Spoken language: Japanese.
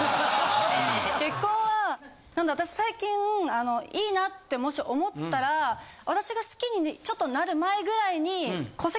結婚は最近いいなってもし思ったら私が好きにちょっとなる前ぐらいに。